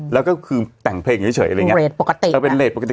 แล้วก็คือแต่งเพลงนี้เฉยเป็นเลสปกติ